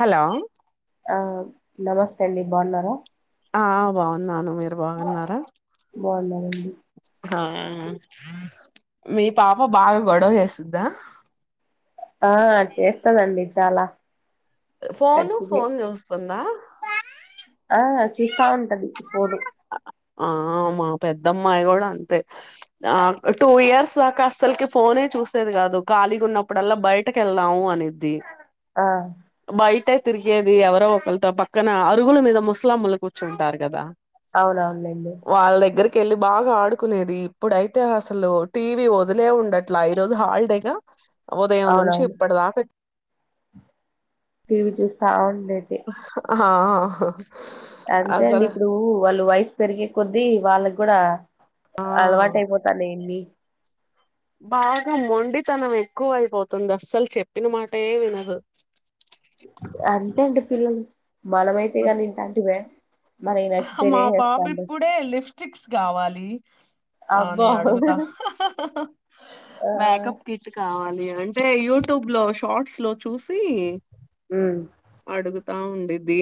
Hello అ నమస్తే అండి బాగున్నారా ఆ బాగున్నాను మీరు బాగున్నారా బాగున్నామండి ఆ మీ పాప బా గొడవ చేసుద్ద ఆ చేస్తాదండి చాలా ఫోను ఖచ్చితే ఫోన్ చూస్తుందా ఆ చూస్తా ఉంటది ఫోడు ఆ మా పెద్దమ్మాయి కూడా అంతే, ఆ టూ ఇయర్స్ దాకా అస్సలకి ఫోనే చూసేది కాదు, ఖాళీ ఉన్నప్పుడల్లా బయటక వెళ్దాము అనిద్ది ఆ బయట తిరిగేది ఎవరో ఒకల్, తో పక్కన అరుగుల మీద ముస్లామ్మలు కూర్చుంటారు కదా అవునవును వాళ్ళ దగ్గరికి కెళ్ళి బాగా ఆడుకునేది ఇప్పుడైతే అసలు టీవీ వదిలే ఉండట్లా ఈ రోజు హాలిడేగా ఉదయం నుంచి అవునవును ఇప్పటి దాకా టీవీ చూస్తా ఉండేది హ ఆహ అంతే అండి ఇప్పుడు వాళ్ళు వయసు పెరిగే కొద్ది అది వాళ్ళకి కూడా ఆ అలవాట అయిపోతంది బాగా మొండితనం ఎక్కువ అయిపోతుంది అస్సలు చెప్పిన మాట ఏ వినదు. అంతేండి. ప్రేమ. మనమైతే గాని ఇంటంటి మా. హా మా పాప ఇప్పుడే లిప్స్టిక్స్ కావాలి. అబ్బో అని అడుగుతా ఆహా ఆహా ఆ మేకప్ కిట్ కావాలి. అంటే యూట్యూబ్ లో షార్ట్స్ లో చూసి ఉమ్ రా ఉండిద్ది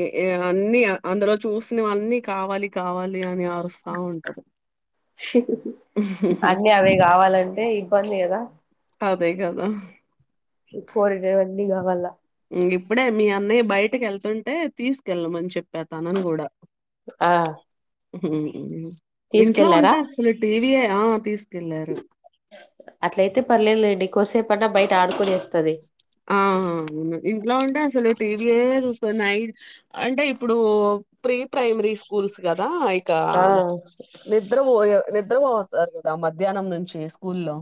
అన్ని అందులో చూసి అన్నీ కావాలి కావాలి అని అరుస్తా ఉంటది ఉహు అన్నీ అవే కావాలంటే ఇబ్బంది కదా అదే కదా కోరినవి అన్ని అన్నీ కావాలా ఇప్పుడే మీ అన్నయ్య బయటకి వెళ్తుంటే తీసుకెళ్ళమని చెప్ప తనని కూడా ఆ ఉహు ఇంట్లో తీసుకెళ్లారా ఉంటా అసలు టీవీ ఎ ఆ తీసి అట్లయితే పర్లేదు లేండి డీ కొసేపు అన్న బయట ఆడుకొని వస్తది ఆ ఇంట్లో ఉంటే అసలు టీవీ ఏ చూస్తది నైట్ అంటే ఇప్పుడు ప్రీ ప్రైమరీ స్కూల్స్ కదా కా ఆ నిద్రపోయా నిద్ర పోతారు కదా మధ్యాహ్నం నుంచి స్కూల్లో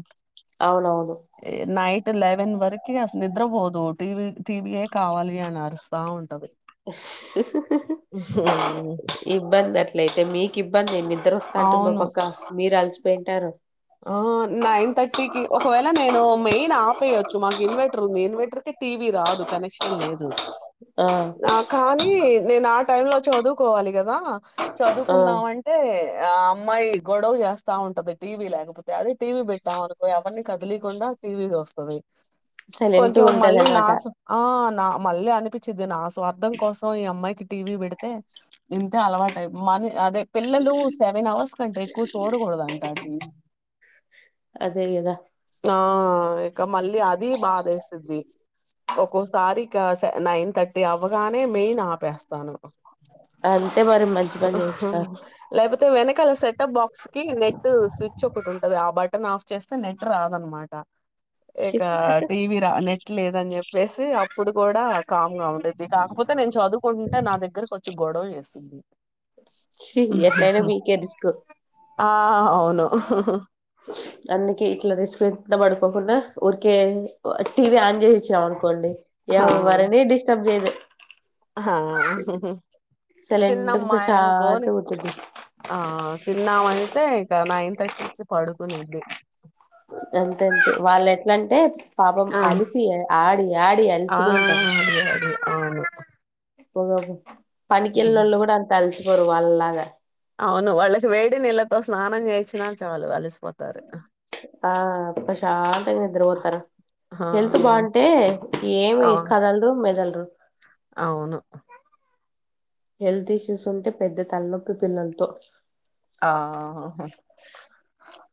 అవునవును లెవన్ వర్క్ కి అసలు నిద్రపోదు టీవీ టీవీయే కావాలి అని అరుస్తా ఉంటది హ్మ్. ఇబ్బంది అట్లయితే మీ ఇబ్బంది అయింది నిద్ర వస్తా ఉంటది అవును. పక్క మీరలిసి పెయింటారు ఆ నైన్ థర్టీకి ఒకవేళ నేను మెయి ఆపెయొచ్చు మాకు ఇన్వెర్టర్ ఉంది ఇన్వెర్టర్ కి టీవీ రాదు కనెక్షన్ లేదు ఆ నా కానీ నేనా టైమ్ లో చదువుకోవాలి కదా ఆ చదువుకుందాం అంటే ఆ అమ్మాయి గొడవ చేస్తా ఉంటది టీ వి లేక అదే టీవీ పెట్టాం అనుకో ఎవరిని కదిలీయకుండా టీ వీ చూస్తది సైలెంట్ కొంచెం మళ్ళీ ఉంటదన్నమాట నాశం ఆ నా మళ్ళీ అనిపిచ్చిద్ది నా సో అర్థం కోసం ఈ అమ్మాయికి టీవీ పెడితే ఇంతే అలవాటై మ అదే పిల్లలు సెవెన్ అవర్స్ కంటే ఎక్కువ చూడకూడదంట టీ వీ అదే కదా ఆ ఇక మళ్ళీ అది బాదేస్తుంది ఒక్కోసారి కే సి నైన్ థర్టీ అవ్వగానే మెయిన్ ఆపేస్తాను అంతే మరి మంచి పని చేసినారు లేకపోతే వెనకాల సెటప్ బాక్స్ కి నెట్ స్వి టది ఆ బటన్ ఆఫ్ చేస్తే నెట్ రాదనమాట ఛీ ఇక టీవీ రా నెట్ లేదని చెప్పేసి తి అప్పుడు కూడా కామ్ గా ఉండేద్ది కాకపోతే నేను చదువుకుంటుంటే నా దగ్గరకి గొడవ చేస్తుంది ఛీ ఎట్లయినా మీకే రిస్క్ ఆ అవును [unintelligible] అందుకె ఇట్లా తెచ్చుకొన్ కిందపడుకోకుండా ఊరికే టీవి ఆన్ చే చ్చా అనుకోండి ఎవ్వరిని డిస్టర్బ్ చెయ్యదు హా సైలెంట్ గ ప్రశాంతంగా పడుకుంటది చిన్నామయితే ఇక నైన్ థర్టీకి పడుకునిద్ది అంతేంతే వాళ్ళెట్లంటే పాపం ఆ అలిసి ఆడి ఆడి అలిసిపోంటాది అదే అదే ఆ పోగా పనికి హుహు. ఎల్లినోళ్లు కూడా అంత అలిసి గవల్లాగా అవును వాళ్ళకి వేడి నీళ్ళతో స్నానం చేసినా చాలు అలిసిపోతారు ఆ అప్ప చాలంతగా నిద్ర పోతారు ఆ హెల్త్ బాగుంటే ఏమి అవును కదలరు మెదలరు అవును హెల్త్ ఇష్యూస్ ఉంటే పెద్ద తలనొప్పి పిల్లలతో ఆ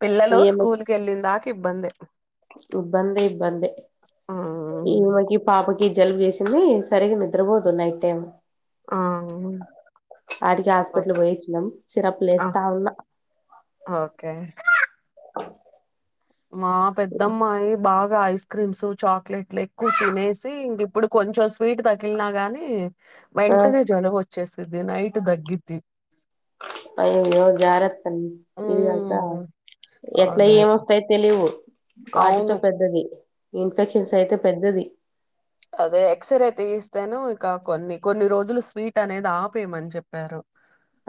పిల్లలు ఈమె స్కూల్కి వెళ్ళిన దాకా ఇబ్బంది ఇబ్బందే ఇబ్బందే ఈ జలుబు చేసింది సరిగగా నిద్రపోదు నైట్ టైమ్ ఆ వాడికి హాస్పిటల్ ఓకే. పోయిచ్చినాం సిరప్లు ఆ వేస్తా ఉన్నా ఓకే మా పెద్దమ్మాయి బాగా ఐస్ క్రీమ్స్ చాక్లెట్లు ఎక్కువ తినేసి ఇంక ఇప్పుడు కొంచెం స్వీట్ తకిలినా గాని ఆ వెంటనే జ్వరం వచ్చేస్తాంది దినైట్ దగ్గింది అయ్యయ్యో గ్యార ఇది కస హ్మ్. ఎట్లా అదే. ఏమొస్తాయో తెలివు వాటితో అవును. పెద్దది [inaudible] ఇన్ఫెక్షన్స్ అయితే పెద్దది అదే ఎక్స్రే తీయిస్తేను ఇక కొన్ని కొన్ని రోజులు స్వీట్ అనేది ఆపేయమని చెప్పారు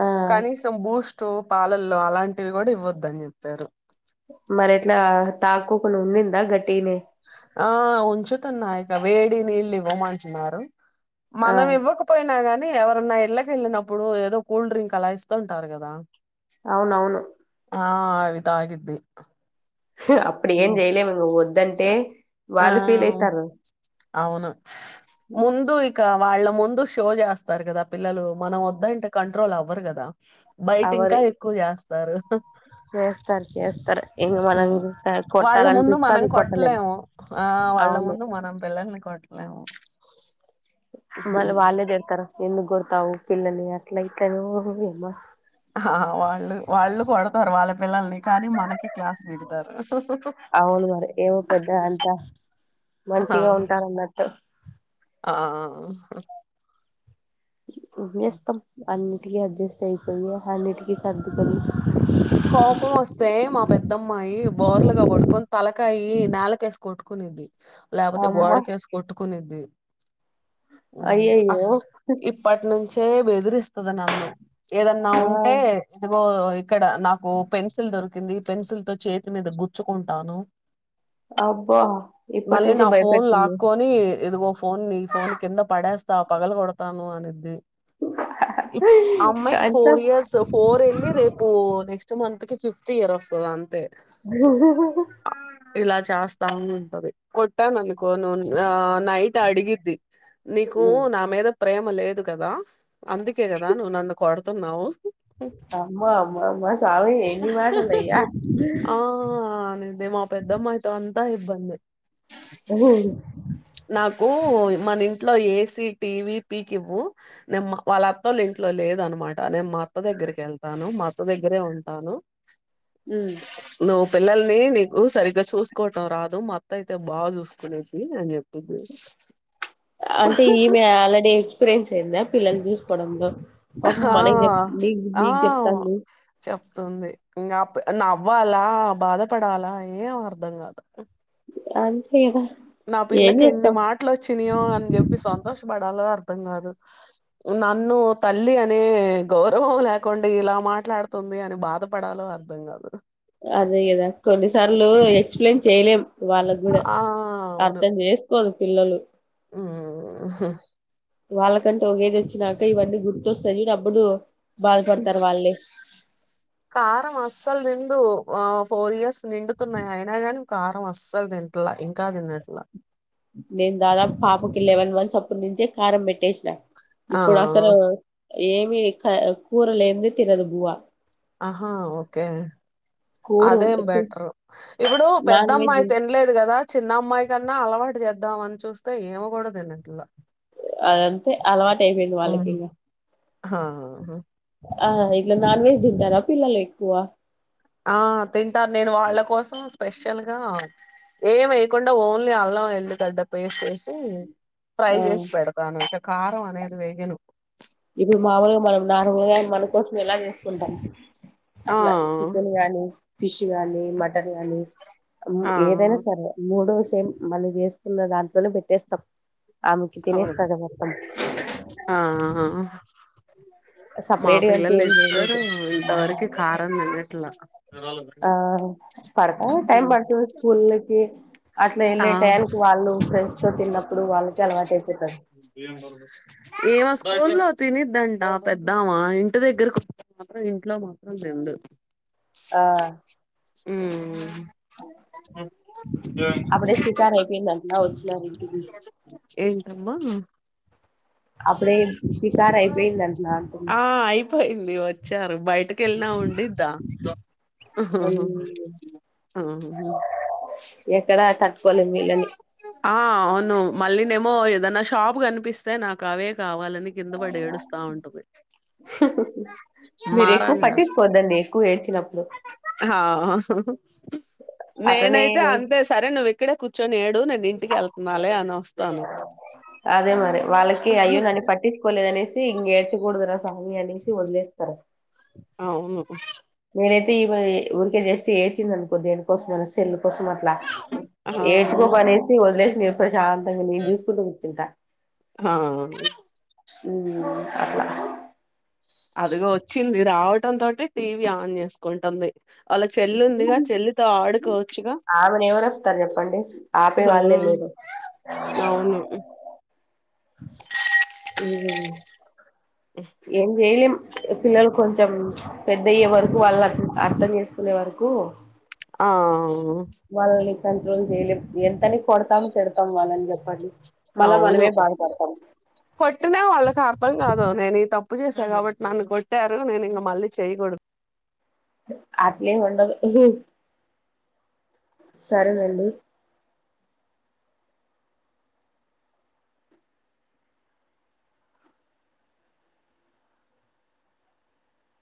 ఆ కానీ సంబుష్ టు పాలల్లో అలాంటివి కూడా ఇవ్వద్దని చెప్పారు మరి ఎట్లా తాక్కకుండా ఉండిందా గట్టి ఆ ఉంచుతన్నాయ ఇంక వేడి నీళ్ళు ఇవ్వమంటున్నారు ఆ మనం ఇవ్వకపోయినా గానీ కానీ ఎవరన్నా ఇళ్ళక వెళ్ళినప్పుడు ఏదో కూల్ డ్రింక్ అలా ఇస్తూ ఉంటారు కదా అవునవును ఆ అవి తాగుద్ది అప్పుడు ఏం చేయలేము ఇ వద్దంటే ఆ వాళ్ళు ఫీల్ అయితారు అవును ముందు ఇక వాళ్ళ ముందు షో చేస్తారు కదా పిల్లలు మనం వద్దా ఇంటే కంట్రోల్ అవ్వరు కదా బయట ఇంకా అవరు ఎక్కువ చేస్తారు చేస్తారు చేస్తారు ఇంగ మనం వాళ్ళ ముందు మనం కొట్టలేము ఆ వాళ్ళ అవును ముందు మనం పిల్లల్ని కొట్టలేము అలా మళ వాళ్ళలేద ఇర్తారు ఎందు గత కావు పిల్లని అట్లా ఇట్లనే ఏమా ఆ వాళ్ళు వాళ్ళు కొడతారు వాళ్ళ పిల్లల్ని కానీ మనకి క్లాస్ పీకుతారు అవును మరి ఏమో పెద్ద అంతా మంచిగా ఉంటారన్నట్టు ఆ ఊహూ వేస్తాం అన్ని టి అడ్జస్ట్ అయిపోయి అన్నిటికి సర్దుకుని కోపం వస్తే మా పెద్దమ్మాయి బోర్లుగా పడుకొని తలకాయి నేలకేసి కొట్టుకునిద్ది. లేపోతే అమ్మ గోడ కేసి కొట్టు కొనిద్ది హ్మ్ అయ్యయ్యో అసల్ ఇప్పటి నుం చే బెదిరిస్తది నన్ను ఏదన్నా ఆ ఉంటే ఇదుగో ఇక్కడ నా కు పెన్సిల్ దొరికింది పెన్సిల్ తో చేతి మీద గుచ్చుకుంటాను అబ్బా ఇప్పటి మళ్ళీ నుంచి నా ఫోన్ భయపెడుతుంది లాక్కొని ఇదిగో ఫోన్ ని ఫోన్ కింద పడేస్తా పగలు కొడతాను అనిద్ది ఇప్ ఆ అమ్మాయికి అంతా ఫోర్ ఇయర్స్ ఫోర్ వెళ్ళి రేపు నెక్స్ట్ మంత్ కి ఫిఫ్త్ ఇయర్ వస్తది అంతే ఇలా చేస్తా ఉంటది కొట్టానను కోను ఆ నై ట్ట అడిగిద్ది నీకు నా మీద ప్రేమ లేదు కదా అందుకే కదా నువ్వు నన్ను కొడ తున్నావు అమ్మా అమ్మ అమ్మ స్వామి ఎన్ని మాటలయ్యా ఆ అనిద్ది మా పెద్దమ్మాయితో అ తా ఇబ్బందే వూ మన ఇంట్లో ఏసీ టీవి పీకివ్వు నేన్ వాళ్ళ అత్తోళ్ళ ఇంట్లో లేదన్నమాట నేను మా అత్త దగ్గరికి వెళ్తాను మా అత్త దగ్గరే ఉ తాను హ్మ్ పిల్లల్ని నీకు సరిగ్గా చూసుకోవటం రాదు మా అత్త అయితే బాగా చూసుకునేది అని చెప్ అంటె ఈమె ఆల్రెడీ ఎక్స్పీరియన్స్ యిందా పిల్లల్ని జూసుకోవడంలో హాఆ ఆహ్ చెప్తాంది చెప్ తుంది ఇంగా అప్ నవ్వాలా బాధపడాలా ఏం అర్ధం కాదు. అంతేగా నా పిల్లకి ఎన్ని మాట్లోచ్చినయో. అని చెప్పి సంతోషపడ్ పడాలో అర్థం కాదు. నన్ను తల్లి అనే గౌరవం లేకుండా ఇలా మాట్లాడుతుంది. అని బాధపడాలో అర్థం కాదు. అరే ఇదా కొన్నిసార్లు ఎక్స్ప్లెయిన్ చేయలేం. వాళ్ళకి గూడా ఆ అవును అర్థం చేసుకోర్ పిల్లలు ఉమ్. వాళ్ళకంటు ఒకేజ్ వచ్చినాక ఇవన్నీ గుర్తొస్తాయి. ఇగ అప్పుడు. బాధపడతారు వాళ్ళే కారం అసలు తింధు ఆహ్ ఫోర్ ఇయర్స్ నిండుతున్నాయి. అయినా కానీ కారం అస్సలు తిట్లా ఇంకా తిన్నట్లా. నేను దాదాపు పాపకి లెవన్ మాన్స్ అప్పు నుంచే కారం పెట్టేసిన. ఆ ఇప్పుడు అసలు ఏమి క కూరలేంది. తినదు బువ్వ ఆహా ఓకే కూర అదేం చి బెటర్ ఇప్పుడు. పెద్ద నాన్ వెజ్ అమ్మాయి తినలేదు కదా. చిన్న అమ్మాయి కన్నా అలవాటు చేద్ద చద్దామని చూస్తే ఇవకూడదినట్లా అదంతే అలవాటు అయిపోయింది. వాళ్ళకి ఇంగా ఆహా ఆ ఇట్లా నాన్ వెజ్ తింటారా. పిల్లలు ఎక్కువ ఆ తింటర్. నేను వాళ్ళ కోసం స్పెషల్గా ఏమే యకుండా ఓన్లీ అల్లం ఎల్లుగడ్డ పేస్ట్ వేసి ఫ్రై ఆ చేసి పెడతాను. చే కారం అనేది వేయ్యాను ఇప్పుడు మాముూలుగా మనం నార్మూలగా మన కోసం ఎలా చేసుకుంటాం. ఆ అట్లా చికెన్ గా, ఫిష్ గాని, మట్ టాన్ గాని, ఆ ఏదైనా సరే మూడ్రోజ్ మళ్ళీ చేసుకున్న దాంట్తోనే పెట్టేస్తాం. ఆ మేకి ఓకే. తినేస్తాద మొత్తం ఆ ఆ! మా సపరేట్ గా అంటే పిల్లలు ఇద్దరు ఏంచేయలేదు. ఇంతవరకు కారం తినట్లా ఆహ్ పడతాది టైం హ్మ్. పడుతది స్కూల్ల కి అట్లా ఆ వెళ్ళే టైనికి వాళ్ళు ఫ్రెండ్స్ తో తిన్న ప్పుడు వాళక్ ఏ మో స్కూల్లో తినిద్దంట పెద్దామా. ఇంటి దగ్గరకు మాత్రం ఇంట్లో మాత్రం తిందు ఆహ్ ఉహ్మ అప్పుడే షికార్ అయిపోయిందంటనా వచ్చినారు ఇంటికి ఏంటమ్మా అప్పుడే శికారయిపోయి అంత ఆ అయిపోయింది వచ్చారు బయటకి ఎల్ నా ఉండద్దా ఇక్కడ కట్టుకోలేి వీళ్ళని ఆ అవును మళ్ళీనేమో ఏదనా షాప్ కనిపిస్తే నాకు అవే కావాల మీరు ఎక్కువ మారాన్ చేస్తా పట్టించకోద్దండి ఎక్కువ ఏడ్చినప్పుడు ఆ అట్లనే నేనైతే అంతే సరే నువ్వు ఇక్కడే కూర్చొని ఏడు నేను ఇంటికి వెళ్తున్నాాలే అని వస్తంది అదే మరి వాళ్ళకి అయ్యో నన్నని పట్టించుకోలేదనేసి ఇంక ఏడ్చకూడదు స్మి అనేసి వదిలేస్తారుా ఆవును మీేనైతే ఇ రికే చేస్తే ఏడ్చింది అనుకో దేకోసం అనెల్ కోసం అట్లా ఆ ఏడ్చుకో పనేసి వదిలేసి నేను ప్రశాంతంగా నేను చూసుకుంటూ కూర్చుంటా ఆ ఉ అప్పలా అదిగ వచ్చింది రావట తో టీవీ ఆన్ చేసుకుంటుంది వాళ్ళ చెల్లు ఉందిగా చెల్లితో ఆడుకోవచ్చుగా ఆమెను ఎవరేపుతారు చెప్పండి ఆపే వాళ్ళే లేరు అవును ఉ ఎం జలుం పిల్లలు కొంచెం పెద్దయ్యే వరకు వాళ్ళ అర్థం చేసుకునే వరకు ఆ వాళ్ళని కంట్రోల్ చేయలే ఎంతని కొడతాం తడతాం వాళ్ళని చెప్పండి మళ్ళా అవును మనమే బాధపడతాం కొట్టిన వాళ్ళకి అర్థం కాదు నేను తప్పు ఉప్పు చేసా కాబట్టి నన్ను కొట్టారు నేను ఇంక మళ్ళీ చేయకూడదుజై ఆలే మండ సరేనండి